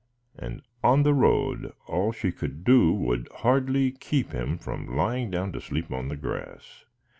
And on the road all she could do would hardly keep him from lying down to sleep on the grass.